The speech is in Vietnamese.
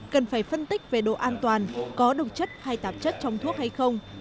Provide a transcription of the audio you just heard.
cần phải phân tích về độ an toàn có độc chất hay tạp chất trong thuốc hay không